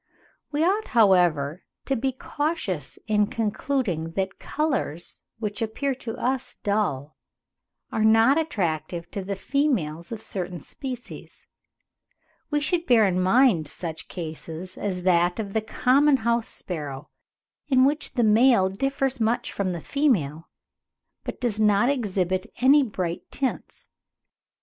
We ought, however, to be cautious in concluding that colours which appear to us dull, are not attractive to the females of certain species; we should bear in mind such cases as that of the common house sparrow, in which the male differs much from the female, but does not exhibit any bright tints.